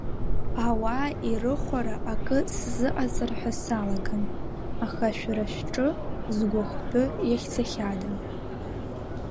Ауаа ирыхәара акы сзыҟаҵар ҳәа салаган, аха шәара шәҿы згәахәтәы иахьӡахьада…